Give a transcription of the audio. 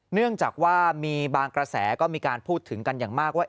เนื่องจากว่ามีบางกระแสก็มีการพูดถึงกันอย่างมากว่า